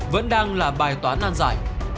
vẫn đang là bài toán an giải